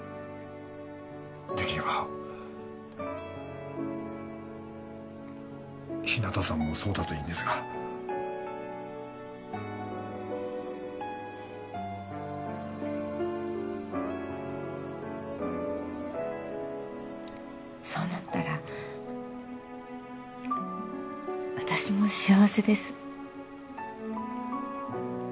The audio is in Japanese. できれば日向さんもそうだといいんですがそうなったら私も幸せです